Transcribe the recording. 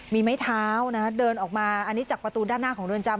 มีไม้เท้านะเดินออกมาอันนี้จากประตูด้านหน้าของเรือนจำ